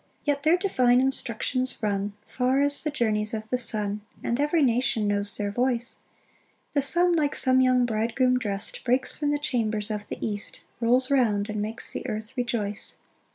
3 Yet their divine instructions run Far as the journies of the sun, And every nation knows their voice; The sun, like some young bridegroom drest, Breaks from the chambers of the east, Rolls round, and makes the earth rejoice.